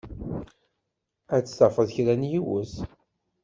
Ad tafeḍ kra n yiwet.